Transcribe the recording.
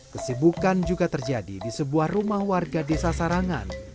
kesibukan juga terjadi di sebuah rumah warga desa sarangan